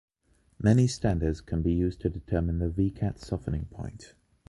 Many standards can be used to determine the Vicat softening point.